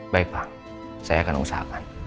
baik pak saya akan usahakan